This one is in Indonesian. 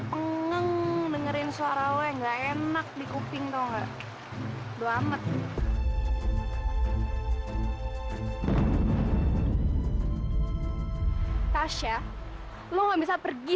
pengen dengerin suara weh enak di kuping tahu enggak doang metin tasya lu nggak bisa pergi